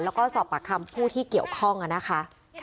แล้วก็สอบปากคำผู้ที่เกี่ยวข้องนะคะ